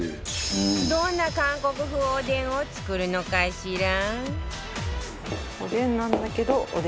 どんな韓国風おでんを作るのかしら？